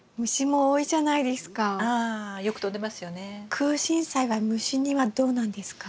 クウシンサイは虫にはどうなんですか？